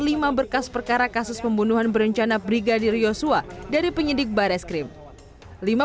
lima berkas perkara kasus pembunuhan berencana brigadir yosua dari penyidik barreskrim lima